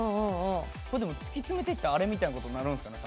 これでも突き詰めていったらあれみたいなことになるんすかね。